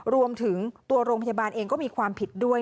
รวมถึงตัวโรงพยาบาลเองก็มีความผิดด้วย